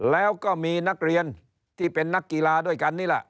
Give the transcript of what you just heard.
แล้วก็มีนักเรียนที่เป็นนักกีฬาด้วยกันนี่แหละ